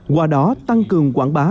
qua đó tăng cường quảng bá